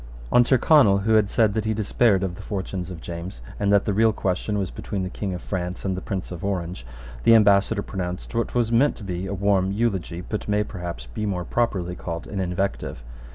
On Tyrconnel, who had said that he despaired of the fortunes of James, and that the real question was between the King of France and the Prince of Orange, the ambassador pronounced what was meant to be a warm eulogy, but may perhaps be more properly called an invective.